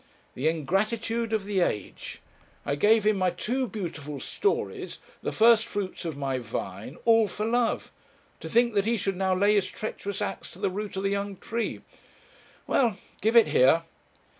The ingratitude of the age! I gave him my two beautiful stories, the first fruits of my vine, all for love; to think that he should now lay his treacherous axe to the root of the young tree well, give it here.'